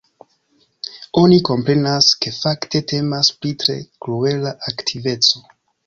Oni komprenas, ke fakte temas pri tre kruela aktiveco.